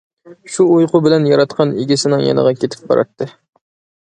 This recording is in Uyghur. شۇ ئۇيقۇ بىلەن ياراتقان ئىگىسىنىڭ يېنىغا كېتىپ باراتتى.